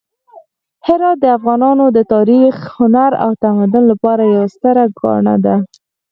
هرات د افغانانو د تاریخ، هنر او تمدن لپاره یوه ستره ګاڼه ده.